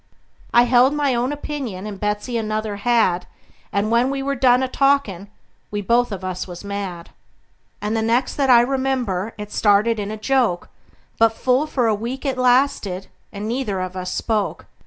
I held my own opinion, and Betsey another had; And when we were done a talkin', we both of us was mad. And the next that I remember, it started in a joke; But full for a week it lasted, and neither of us spoke.